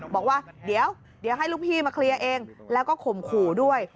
บอกว่าเดี๋ยวให้ลูกพี่มาเคลียร์เองแล้วก็ข่มขู่ด้วย